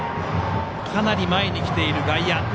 かなり前に来ている外野。